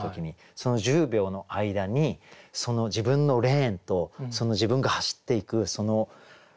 その１０秒の間に自分のレーンと自分が走っていくその何て言ったら。